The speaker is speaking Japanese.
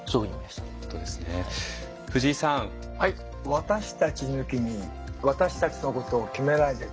「私たち抜きに私たちのことを決めないで」。